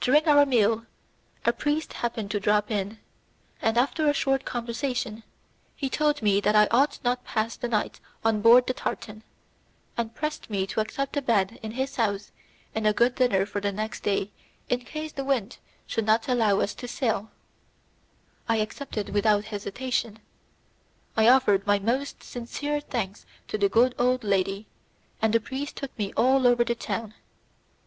During our meal, a priest happened to drop in, and, after a short conversation, he told me that I ought not to pass the night on board the tartan, and pressed me to accept a bed in his house and a good dinner for the next day in case the wind should not allow us to sail; I accepted without hesitation. I offered my most sincere thanks to the good old lady, and the priest took me all over the town.